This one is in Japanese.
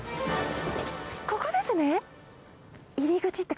ここですね。